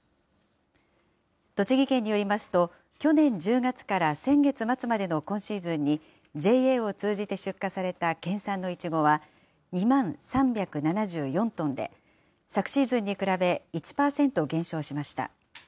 栃木県によりますと、去年１０月から先月末までの今シーズンに、ＪＡを通じて出荷された県産のイチゴは、２万３７４トンで、昨シーズンに比べ、１％減少しました。